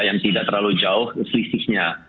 yang tidak terlalu jauh selisihnya